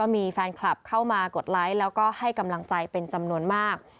มีแฟนคลับเข้ามากดไลค์แล้วก็ให้กำลังใจเป็นจำนวนมาก